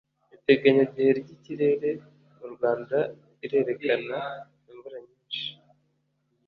iteganya gihe ry’ ikirere mu rwanda irerekana imvura nyinshi